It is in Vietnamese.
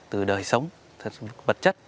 từ đời sống vật chất